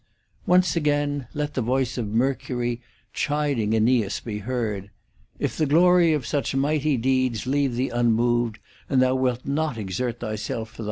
Once again let the voice of Mercury chiding Aeneas be heard :* If the glory of such mighty deeds leave thee unmoved, and thou wilt not exert thyself for thine 1 ' Describi' — so A.